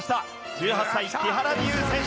１８歳木原美悠選手。